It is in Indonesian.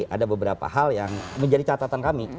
ada beberapa hal yang menjadi catatan kami